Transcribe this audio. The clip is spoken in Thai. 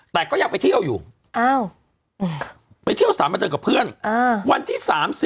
แต่ก็ยังไปเที่ยวอยู่อ้าวไปเที่ยวสารบันเทิงกับเพื่อนวันที่๓๐